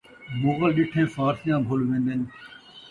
مغل ݙٹھیں فارسیاں بھل وین٘دین